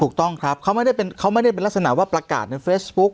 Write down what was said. ถูกต้องครับเขาไม่ได้เป็นลักษณะว่าประกาศในเฟซบุ๊ก